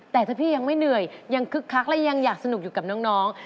แต่ถ้าพี่ยังไม่เหนื่อยยังคึกคักและยังอยากสนุกอยู่กับน้อง